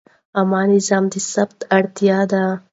عامه نظم د ثبات اړتیا ده.